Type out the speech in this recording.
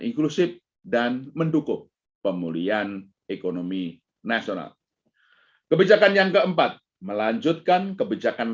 inklusif dan mendukung pemulihan ekonomi nasional kebijakan yang keempat melanjutkan kebijakan